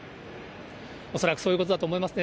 恐らくそういうことだと思いますね。